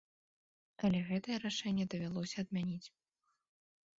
Але гэтае рашэнне давялося адмяніць.